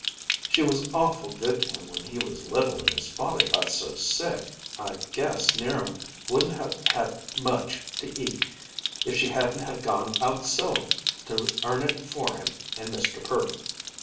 She was awful good to him when he was little and his father got so sick. I guess 'Niram wouldn't ha' had much to eat if she hadn't ha' gone out sewing to earn it for him and Mr. Purdon."